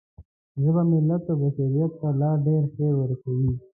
ژبې، ملت او بشریت ته لا ډېر خیر ورسوئ.